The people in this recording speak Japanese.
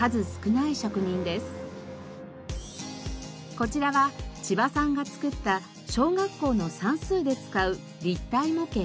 こちらは千葉さんが作った小学校の算数で使う立体模型。